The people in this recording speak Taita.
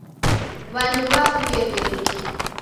W'andu w'afue w'engi.